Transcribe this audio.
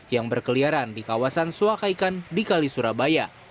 yang berkeliaran di kawasan suaka ikan di kali surabaya